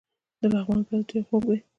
د پغمان ګیلاس ډیر خوږ وي.